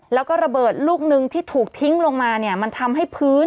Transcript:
แล้วก็ระเบิดลูกนึงที่ถูกทิ้งลงมาเนี่ยมันทำให้พื้น